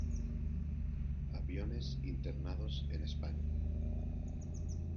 Aviones internados en España